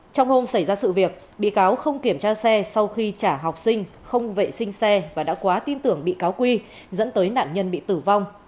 trong hôm xảy ra sự việc bị cáo không kiểm tra xe sau khi trả học sinh không vệ sinh xe và đã quá tin tưởng bị cáo quy dẫn tới nạn nhân bị tử vong